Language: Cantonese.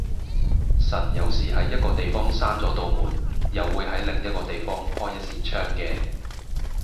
神有時喺一個地方閂左度門，又會喺另一個地方開一扇窗嘅